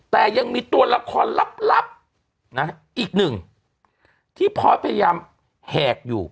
แต่ยังมีตัวละครลับนะอีกหนึ่งที่พอสพยายามแหกอยู่